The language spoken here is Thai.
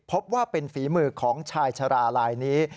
พบว่าเป็นฝีมือของชายชะลาลายนี้